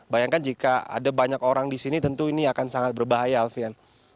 bayangkan jika ada banyak orang di sini tentu ini akan sangat berbahaya alfian